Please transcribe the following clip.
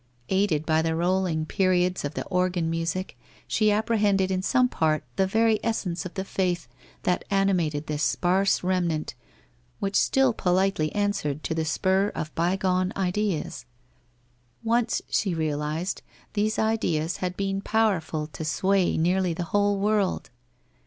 Aided by the rolling periods of the organ music, she apprehended in some sort the very essence of the faith that animated tin's sparse remnant, which still politely answered to the spur of bygone ideas. Once, she realized, these ideas had been powerful to sway nearly the whole world.